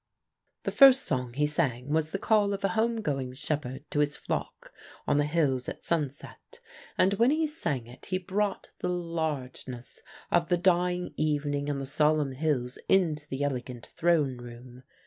"The first song he sang was the call of a home going shepherd to his flock on the hills at sunset, and when he sang it he brought the largeness of the dying evening and the solemn hills into the elegant throne room.